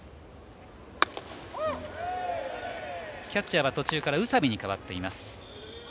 キャッチャーは途中から宇佐見に代わっています。